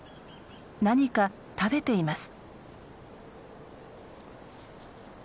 何か食べています。